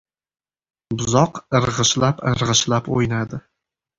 Buzoq irg‘ishlab-irg‘ishlab o‘ynadi.